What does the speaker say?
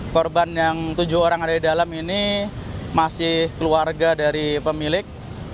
korban yang tujuh orang ada di dalam ini masih keluarga dari pemilik